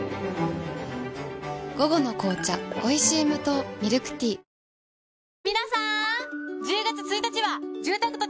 午後の紅茶おいしい無糖ミルクティー早起き朝活